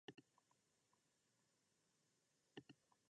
私はあなたを、本当に愛している。